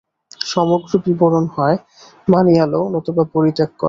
সমগ্র বিবরণ হয় মানিয়া লও, নতুবা পরিত্যাগ কর।